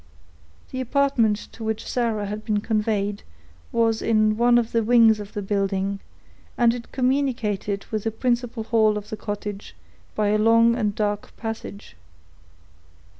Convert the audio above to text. The apartment to which Sarah had been conveyed was in one of the wings of the building, and it communicated with the principal hall of the cottage by a long and dark passage.